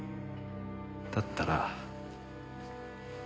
だったら。